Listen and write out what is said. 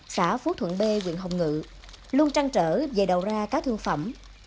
xã phú thuận b huyện hồng ngự luôn trăng trở về đầu ra cá thương phẩm